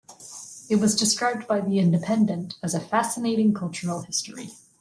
It was described by "The Independent" as 'a fascinating cultural history'.